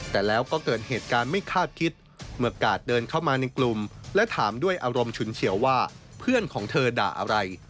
แต่แล้วก็เกิดเหตุการณ์ไม่คาดคิดเมื่อกาดเดินเข้ามาในกลุ่มและถามด้วยอารมณ์ฉุนเฉียวว่าเพื่อนของเธอด่าอะไร